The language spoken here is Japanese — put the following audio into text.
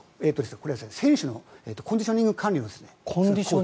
これは選手のコンディショニング管理をする。